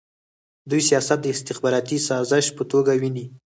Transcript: دوی سیاست د استخباراتي سازش په توګه ویني.